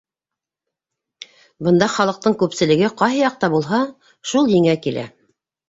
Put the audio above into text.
Бында халыҡтың күпселеге ҡайһы яҡта булһа, шул еңә килә.